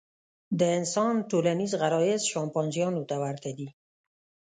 د انسان ټولنیز غرایز شامپانزیانو ته ورته دي.